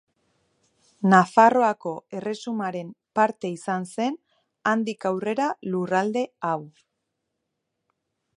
Nafarroako Erresumaren parte izan zen handik aurrera lurralde hau.